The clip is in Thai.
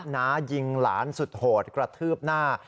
น้ายิงหลานสุดโหดกระทืบหน้า